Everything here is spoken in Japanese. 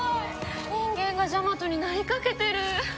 人間がジャマトになりかけてる。